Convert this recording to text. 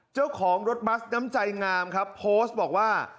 เจ้าของรถบัสน้ำใจงามครับโพสต์บอกว่า